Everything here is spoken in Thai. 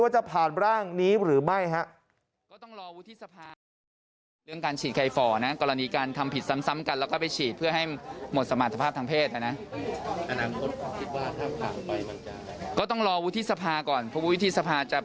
ว่าจะผ่านร่างนี้หรือไม่ฮะ